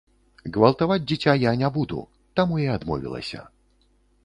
Гвалтаваць дзіця я не буду, таму і адмовілася.